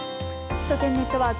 首都圏ネットワーク。